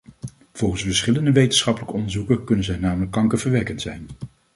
Volgens verschillende wetenschappelijke onderzoeken kunnen zij namelijk kankerverwekkend zijn.